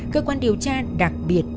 cơ quan điều tra đặc biệt